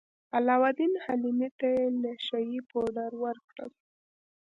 علاوالدین حلیمې ته نشه يي پوډر ورکړل.